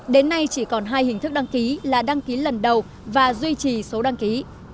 đến nay chỉ còn hai hình thức đăng ký là đăng ký lần đầu và duy trì số đăng ký